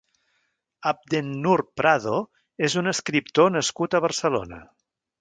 Abdennur Prado és un escriptor nascut a Barcelona.